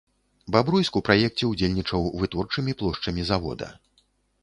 Бабруйск у праекце ўдзельнічаў вытворчымі плошчамі завода.